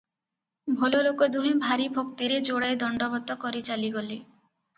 ଭଲଲୋକ ଦୁହେଁ ଭାରି ଭକ୍ତିରେ ଯୋଡ଼ାଏ ଦଣ୍ଡବତ କରି ଚାଲିଗଲେ ।